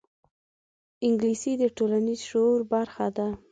انګلیسي د ټولنیز شعور برخه ده